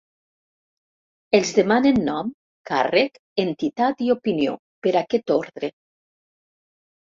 Els demanen nom, càrrec, entitat i opinió, per aquest ordre.